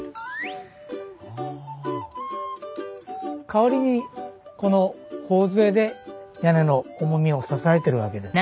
代わりにこの頬杖で屋根の重みを支えてるわけです。